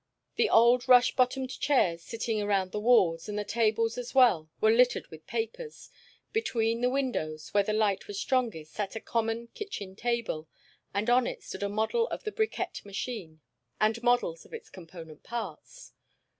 The old rush bottomed chairs sitting around the walls, and the tables as well, were littered with papers. Between the windows, where the light was strongest, sat a common kitchen table, and on it stood a model of the bricquette machine, and models of its component parts.